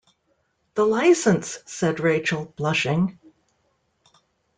‘The licence!’ said Rachael, blushing.